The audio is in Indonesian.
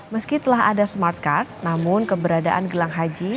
meski telah ada smart card namun keberadaan gelang haji